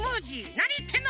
なにいってんの！